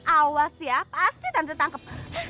awas ya pasti tante tangkap